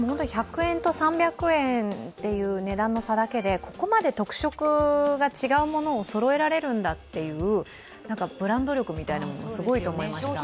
１００円と３００円という値段の差だけでここまで特色が違うものをそろえられるんだというブランド力みたいなのもすごいと思いました。